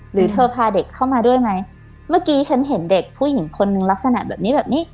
หรือเธอพาเด็กเข้ามาด้วยไหมเมื่อกี้ฉันเห็นเด็กผู้หญิงคนนึงลักษณะแบบนี้แบบนี้